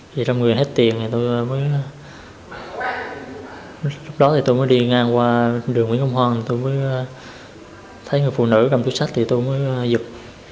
vì trong người hết tiền tôi mới đi ngang qua đường nguyễn công hoàng tôi mới thấy người phụ nữ cầm chút sách thì tôi mới giúp